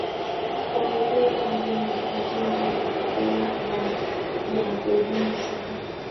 koikwei agenge agenge akowa gaa ya kobunu sukul.